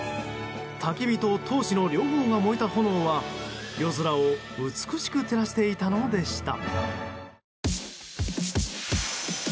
たき火と闘志の両方が燃えた炎は夜空を美しく照らしていたのでした。